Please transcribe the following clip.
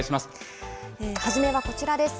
初めはこちらです。